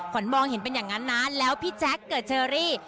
มองเห็นเป็นอย่างนั้นนะแล้วพี่แจ๊คเกิดเชอรี่